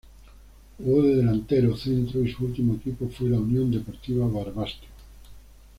Jugó de delantero centro y su último equipo fue la Unión Deportiva Barbastro.